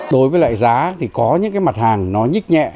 đối với lại giá thì có những cái mặt hàng nó nhích nhẹ